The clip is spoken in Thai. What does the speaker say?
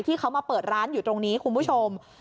ที่เขามาเปิดร้านอยู่ตรงนี้คุณผู้ชม